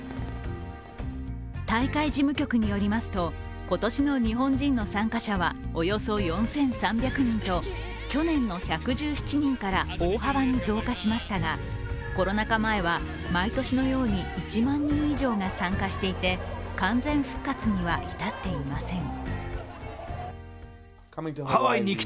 大会事務局によりますと今年の日本人の参加者はおよそ４３００人と去年の１１７人から大幅に増加しましたがコロナ禍前は毎年のように１万人以上が参加していて完全復活には至っていません。